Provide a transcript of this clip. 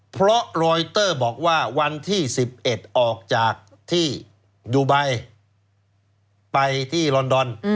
เพราะรอยเตอร์บอกว่าวันที่๑๑ออกจากที่ดูไบไปที่ลอนดอน